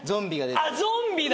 あっゾンビだ！